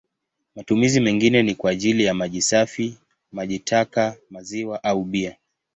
Matumizi mengine ni kwa ajili ya maji safi, maji taka, maziwa au bia.